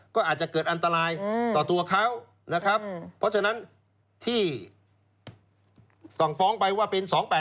ก็อาจจะเกิดอันตรายต่อตัวเขานะครับเพราะฉะนั้นที่สั่งฟ้องไปว่าเป็น๒๘๘